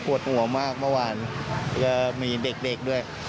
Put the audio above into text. ปวดหัวมากเมื่อวานมีเด็กด้วย